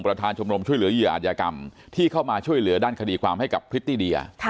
ประธานชมรมช่วยเหลืออาจยากรรมที่เข้ามาช่วยเหลือด้านคดีความให้กับพฤติเดีย